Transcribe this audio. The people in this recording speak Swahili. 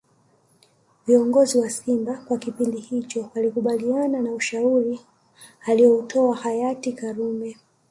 Viongozi wa simba kwa kipindi hicho walikubaliana na ushauri alioutoa hayati karume